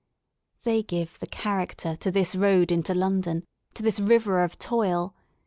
They give the character" to this road into London, to this river of toil.